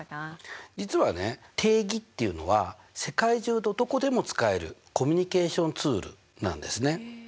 実はね定義っていうのは世界中どこでも使えるコミュニケーションツールなんですね。